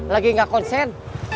lagi gak konsen